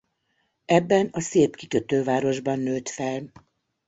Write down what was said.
Ebben a szép kikötővárosban nőtt fel.